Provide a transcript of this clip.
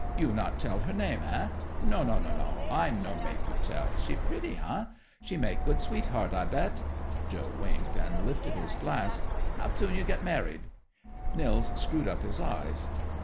You not tell her name, eh? No no no, I no make you tell. She pretty, eh? She make good sweetheart? I bet!" Joe winked and lifted his glass. "How soon you get married?" Nils screwed up his eyes.